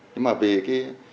nhưng mà vì cái